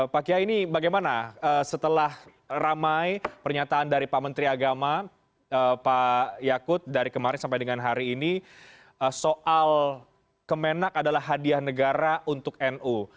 pak kiai ini bagaimana setelah ramai pernyataan dari pak menteri agama pak yakut dari kemarin sampai dengan hari ini soal kemenak adalah hadiah negara untuk nu